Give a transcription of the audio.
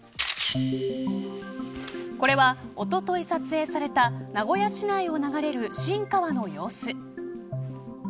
これは、おととい撮影された名古屋市内を流れる新川の様子。